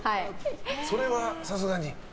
それはさすがに？